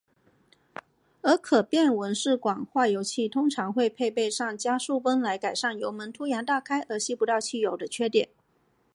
而可变文氏管化油器通常会配备上加速泵来改善油门突然大开而吸不到汽油的缺点。